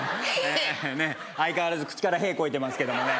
ヘッ相変わらず口から屁こいてますけどもね